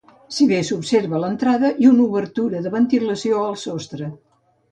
Si bé s'observa l'entrada i una obertura de ventilació al sostre.